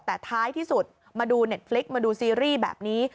แต่ท้ายที่สุดมาดูเน็ตพลิกมาดูซีรีส์แบบนี้